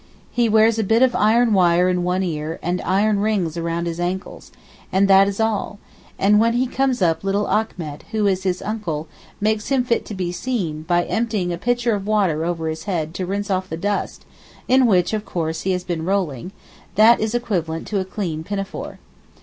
He wears a bit of iron wire in one ear and iron rings round his ankles, and that is all—and when he comes up little Achmet, who is his uncle, 'makes him fit to be seen' by emptying a pitcher of water over his head to rinse off the dust in which of course he has been rolling—that is equivalent to a clean pinafore.